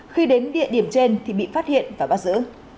khi đến địa điểm trên thì bị phát hiện và bắt giữ